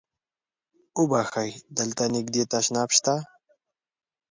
اوبښئ! دلته نږدې تشناب شته؟